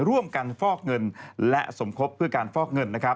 ร่วมกันฟอกเงินและสมคบเพื่อการฟอกเงิน